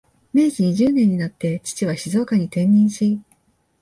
明治二十年になって、父は静岡に転任し、